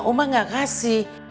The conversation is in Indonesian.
oma gak kasih